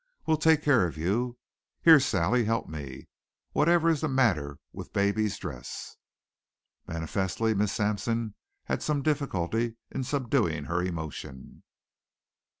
We'll take care of you. Here, Sally help me. Whatever is the matter with baby's dress?" Manifestly Miss Sampson had some difficulty in subduing her emotion.